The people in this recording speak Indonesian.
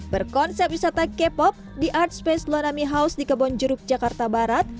berkonsep wisata k pop the artspace lonami house di kebonjeruk jakarta barat